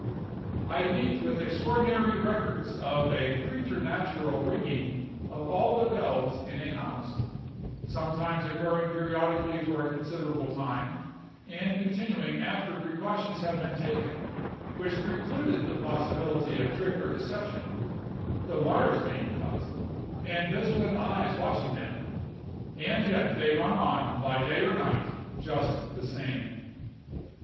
I meet with numerous extraordinary records of a preternatural ringing of all the bells in a house; sometimes occurring periodically for a considerable time, and continuing after precautions have been taken which precluded the possibility of trick or deception, the wires being cut, and vigilant eyes watching them; and yet they rung on, by day or night, just the same.